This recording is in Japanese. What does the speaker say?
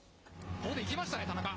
ここでいきましたね、田中。